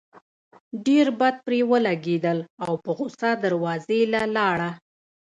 ډېر بد پرې ولګېدل او پۀ غصه دروازې له لاړه